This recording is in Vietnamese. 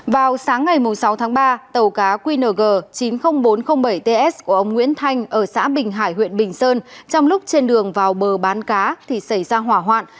vào sáng ngày sáu tháng ba tàu cá qng chín mươi nghìn bốn trăm linh bảy ts của ông nguyễn thanh ở xã bình hải huyện bình sơn trong lúc trên đường vào bờ bán cá thì xảy ra hỏa hoạn